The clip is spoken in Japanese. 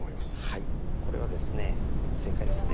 はいこれはですね正解ですね。